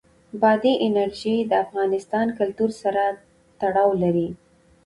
بادي انرژي د افغان کلتور سره تړاو لري.